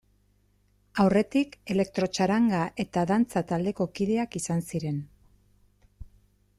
Aurretik, elektrotxaranga eta dantza taldeko kideak izan ziren.